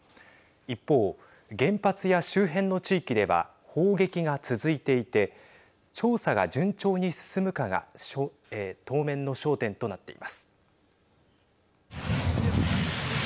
一方、原発や周辺の地域では砲撃が続いていて調査が順調に進むかが当面の焦点となっています。